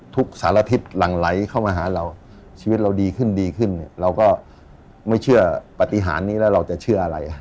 ทุกสารทิศหลั่งไหลเข้ามาหาเราชีวิตเราดีขึ้นดีขึ้นเนี่ยเราก็ไม่เชื่อปฏิหารนี้แล้วเราจะเชื่ออะไร